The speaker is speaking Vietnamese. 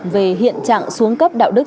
về hiện trạng xuống cấp đạo đức